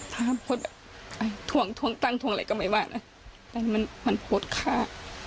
ถ้าพวชถวงถวงตั้งถวงอะไรก็ไม่ว่าแต่มันพวชค่า